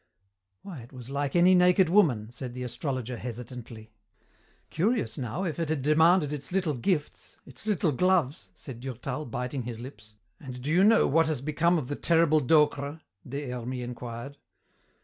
"Why, it was like any naked woman," said the astrologer hesitantly. "Curious, now, if it had demanded its little gifts, its little gloves " said Durtal, biting his lips. "And do you know what has become of the terrible Docre?" Des Hermies inquired.